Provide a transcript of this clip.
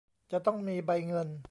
จะต้องมีใบเงิน